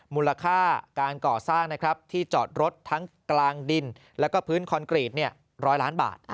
มูลค่าการก่อสร้างนะครับที่จอดรถทั้งกลางดินแล้วก็พื้นคอนกรีต๑๐๐ล้านบาท